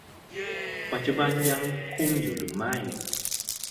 ปัจจุบันยังคุมอยู่หรือไม่